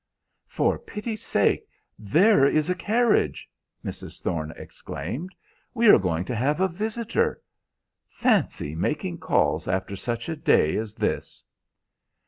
"For pity's sake, there is a carriage!" Mrs. Thorne exclaimed. "We are going to have a visitor. Fancy making calls after such a day as this!"